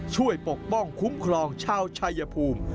ปกป้องคุ้มครองชาวชายภูมิ